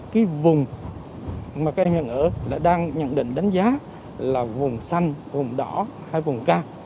cái vùng mà các em hiện ở là đang nhận định đánh giá là vùng xanh vùng đỏ hay vùng cam